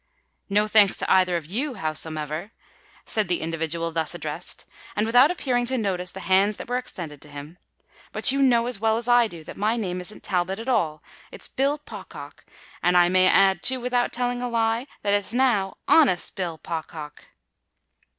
"No thanks to either of you, howsomever," said the individual thus addressed, and without appearing to notice the hands that were extended to him. "But you know as well as I do that my name isn't Talbot at all; it's Bill Pocock—and, I may add, too, without telling a lie, that it's now honest Bill Pocock."